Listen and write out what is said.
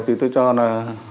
thì tôi cho là